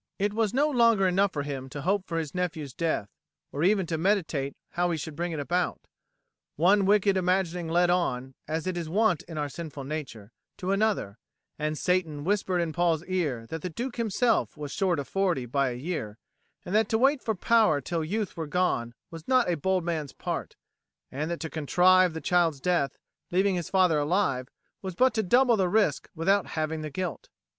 It was no longer enough for him to hope for his nephew's death, or even to meditate how he should bring it about. One wicked imagining led on, as it is wont in our sinful nature, to another, and Satan whispered in Paul's ear that the Duke himself was short of forty by a year, that to wait for power till youth were gone was not a bold man's part, and that to contrive the child's death, leaving his father alive, was but to double the risk without halving the guilt.